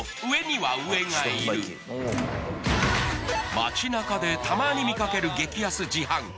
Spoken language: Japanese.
街なかでたまに見かける激安自販機